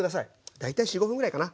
大体４５分ぐらいかな。